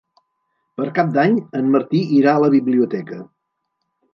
Per Cap d'Any en Martí irà a la biblioteca.